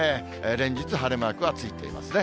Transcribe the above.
連日晴れマークがついていますね。